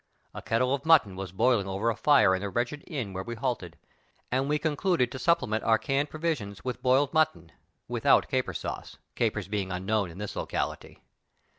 A kettle of mutton was boiling over a fire in the wretched inn where we halted, and we concluded to supplement our canned provisions with boiled mutton without caper sauce, capers being unknown in this locality.